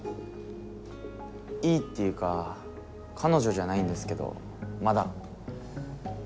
いいっていうか彼女じゃないんですけどまだ。